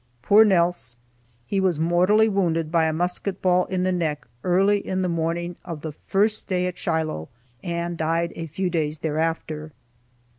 Poor Nelse! He was mortally wounded by a musket ball in the neck early in the morning of the first day at Shiloh, and died a few days thereafter.